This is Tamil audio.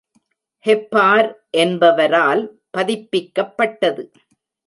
ஹெப்பார் என்பவரால் பதிப்பிக்கப்பட்டது.